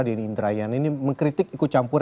dini indrayan ini mengkritik ikut campuran